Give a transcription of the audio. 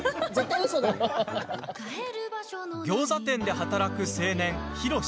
ギョーザ店で働く青年、ヒロシ。